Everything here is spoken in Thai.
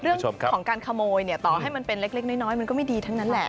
เรื่องของการขโมยเนี่ยต่อให้มันเป็นเล็กน้อยมันก็ไม่ดีทั้งนั้นแหละ